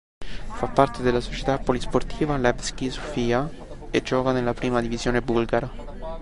Fa parte della società polisportiva Levski Sofia e gioca nella prima divisione bulgara.